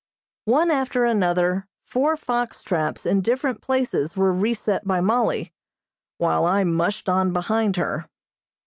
One after another, four fox traps in different places were reset by Mollie, while I mushed on behind her.